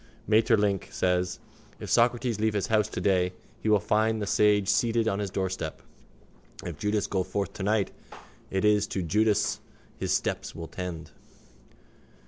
Maeterlinck says: _If Socrates leave his house today he will find the sage seated on his doorstep. If Judas go forth tonight it is to Judas his steps will tend.